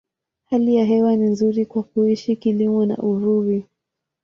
Hali ya hewa ni nzuri kwa kuishi, kilimo, uvuvi.